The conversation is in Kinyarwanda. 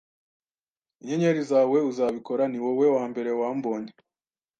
inyenyeri zawe, uzabikora, ni wowe wambere wambonye! ”